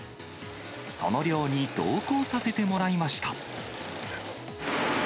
その漁に同行させてもらいました。